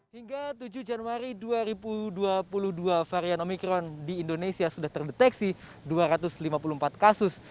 hingga tujuh januari dua ribu dua puluh dua varian omikron di indonesia sudah terdeteksi dua ratus lima puluh empat kasus